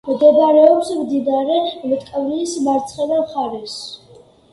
მდებარეობს მდინარე მტკვრის მარცხენა მხარეს.